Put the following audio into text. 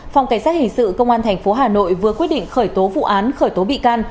phòng cảnh sát hình sự công an tp hà nội vừa quyết định khởi tố vụ án khởi tố bị can